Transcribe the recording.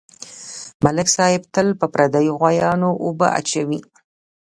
ملک صاحب تل په پردیو غویانواوبه اچوي.